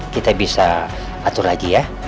kita bisa atur lagi ya